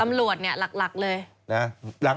ตำรวจเนี่ยหลักเลยนะ